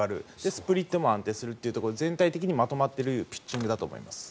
スプリットも安定するというところで全体的にまとまっているピッチングだと思います。